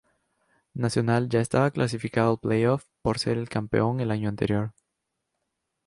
Nacional ya estaba clasificado al play-off por ser el campeón el año anterior.